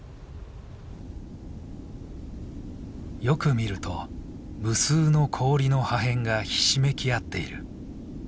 よく見ると無数の氷の破片がひしめき合っている。